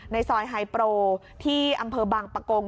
ในซอยไฮโปรที่อำเภอบางปะกง